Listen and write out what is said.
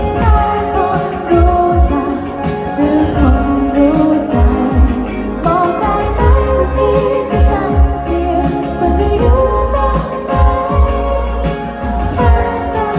อยากจะรู้ว่าฉันควรทำยังไงแต่คิดถึงเธอมากมาย